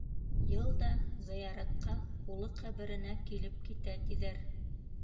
Йыл да зыяратҡа, улы «ҡәберенә» килеп китә, тиҙәр.